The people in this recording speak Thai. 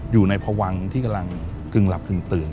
พวังที่กำลังกึ่งหลับกึ่งตื่น